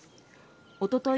おととい